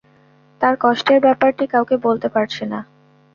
তার কষ্টের ব্যাপারটি কাউকে বলতে পারছে না।